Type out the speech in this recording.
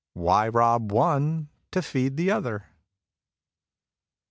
Why rob one to feed the other